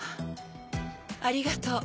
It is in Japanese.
ありがとう。